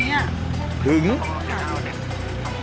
ไม่เย็บก็เดี๋ยวแฟนก็เลย